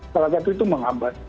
salah satu itu menghambat